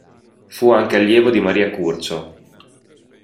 Fu anche allievo di Maria Curcio.